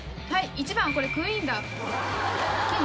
これクイーンだ。